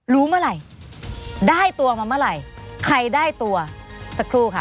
รู้เมื่อไหร่ได้ตัวมาเมื่อไหร่ใครได้ตัวสักครู่ค่ะ